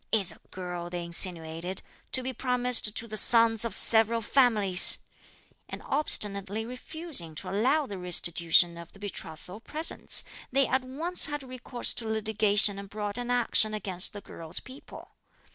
'Is a girl,' they insinuated, 'to be promised to the sons of several families!' And obstinately refusing to allow the restitution of the betrothal presents, they at once had recourse to litigation and brought an action (against the girl's people.)